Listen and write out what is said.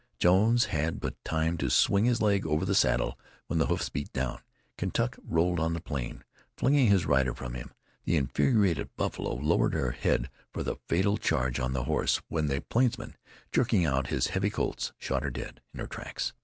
Jones had but time to swing his leg over the saddle when the hoofs beat down. Kentuck rolled on the plain, flinging his rider from him. The infuriated buffalo lowered her head for the fatal charge on the horse, when the plainsman, jerking out his heavy Colts, shot her dead in her tracks.